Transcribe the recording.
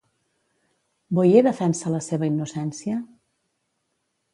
Boye defensa la seva innocència?